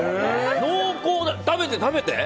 濃厚だ、食べて、食べて。